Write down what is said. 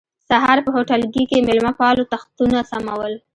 سهار په هوټلګي کې مېلمه پالو تختونه سمول.